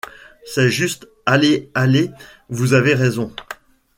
C’est juste ! Allez ! Allez ! Vous avez raison.